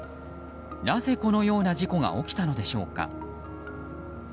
なぜこのような事故が起きたのでしょうか。